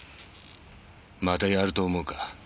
またやると思うか野郎？